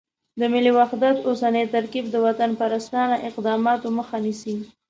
د ملي وحدت اوسنی ترکیب د وطنپرستانه اقداماتو مخه نیسي.